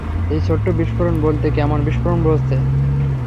এই ছোট্ট বিস্ফোরণ বলতে কেমন বিস্ফোরণ বোঝাচ্ছে?